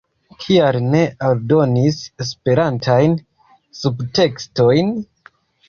Kial ne aldoni Esperantajn subtekstojn?